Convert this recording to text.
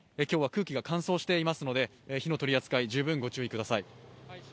今日は空気が乾燥していますので火の取り扱いにご注意ください。